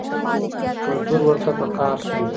مزدور ورته په قار سو